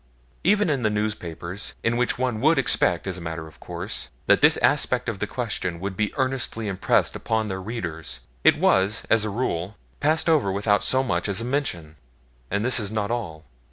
Even in newspapers in which one would expect, as a matter of course, that this aspect of the question would be earnestly impressed upon their readers, it was, as a rule, passed over without so much as a mention. And this is not all.